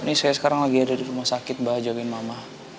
ini saya sekarang lagi ada di rumah sakit mbak jokin mama